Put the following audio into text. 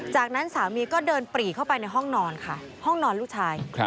จากนั้นสามีก็เดินปลี่เข้าไปในห้องนอนลูกชาย